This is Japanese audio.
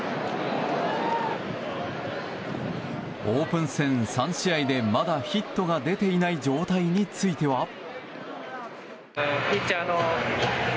オープン戦３試合でまだヒットが出ていない状態については。